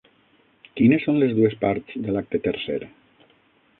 Quines són les dues parts de l'acte tercer?